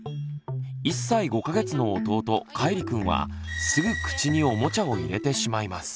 １歳５か月の弟かいりくんはすぐ口におもちゃを入れてしまいます。